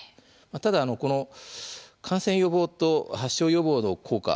ただ感染予防と発症予防の効果